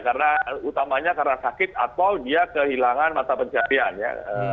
karena utamanya karena sakit atau dia kehilangan mata pencarian ya